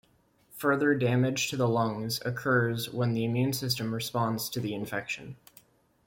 Further damage to the lungs occurs when the immune system responds to the infection.